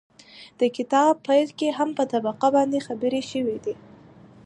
د کتاب پيل کې هم په طبقه باندې خبرې شوي دي